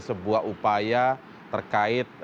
sebuah upaya terkait